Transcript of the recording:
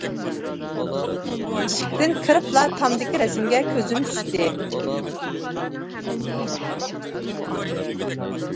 ئىشىكتىن كىرىپلا تامدىكى رەسىمگە كۈزۈم چۈشتى.